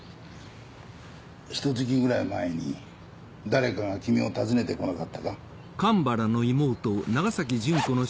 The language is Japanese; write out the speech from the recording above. ひと月くらい前に誰かが君を訪ねてこなかったか？